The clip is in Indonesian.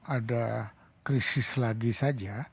ada krisis lagi saja